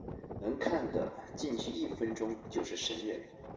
能看的进去一分钟就是神人